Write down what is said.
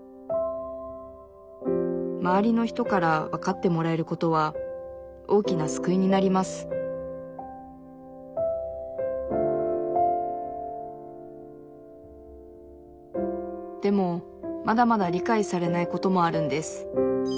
周りの人からわかってもらえることは大きな救いになりますでもまだまだ理解されないこともあるんです。